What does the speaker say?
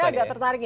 saya agak tertarik